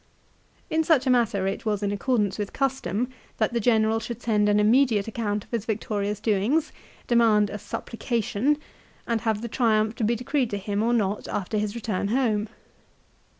In such a matter it was in accordance with custom that the general should send an immediate account of his victorious doings, demand a " supplication," and have the Triumph to be decreed to him or not after his return home.